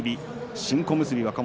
新小結若元